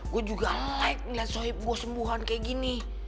gue juga like melihat sohib gue sembuhan kayak gini